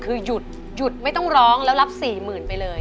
คือหยุดหยุดไม่ต้องร้องแล้วรับ๔๐๐๐ไปเลย